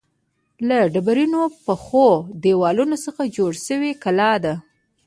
له ډبرینو پخو دیوالونو څخه جوړه شوې کلا ده.